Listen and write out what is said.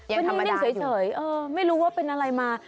ยังธรรมดาอยู่วันนี้นิ่งเฉยไม่รู้ว่าเป็นอะไรมา